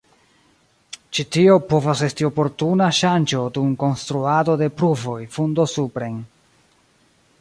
Ĉi tio povas esti oportuna ŝanĝo dum konstruado de pruvoj fundo-supren.